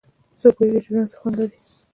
څوک پوهیږي چې ژوند څه خوند لري